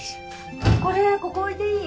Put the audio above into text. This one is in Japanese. これここ置いていい？